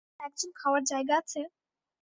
একজন খাওয়ার জায়গা আছে?